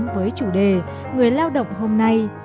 với chủ đề người lao động hôm nay